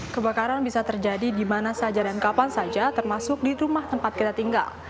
kebakaran bisa terjadi di mana saja dan kapan saja termasuk di rumah tempat kita tinggal